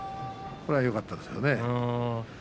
これが、よかったですね。